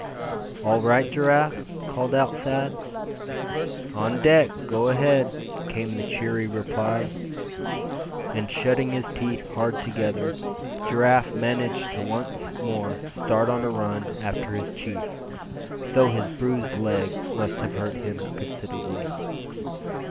"All right, Giraffe?" called out Thad. "On deck; go ahead!" came the cheery reply. And shutting his teeth hard together, Giraffe managed to once more start on a run after his chief, though his bruised leg must have hurt him considerably.